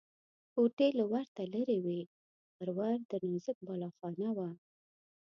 کوټې له ورته لرې وې، پر ور د نازک بالاخانه وه.